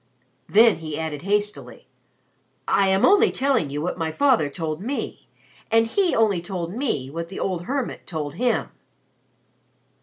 Then he added hastily, "I am only telling you what my father told me, and he only told me what the old hermit told him."